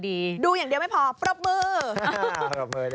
ดูอย่างเดียวไม่พอปรบมือ